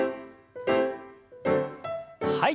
はい。